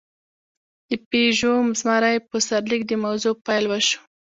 د «پيژو زمری» په سرلیک د موضوع پېل وشو.